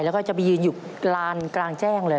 แล้วก็จะไปยืนอยู่ลานกลางแจ้งเลย